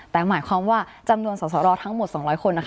แต่หมายความว่าจำนวนสสรทั้งหมด๒๐๐คน